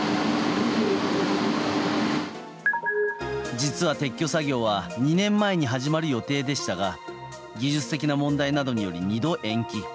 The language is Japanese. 実は撤去作業は２年前に始まる予定でしたが技術的な問題などにより２度延期。